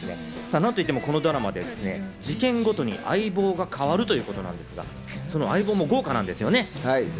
なんといってもこのドラマ、事件ごとに相棒が変わるということですが、その相棒も豪華なんですよね。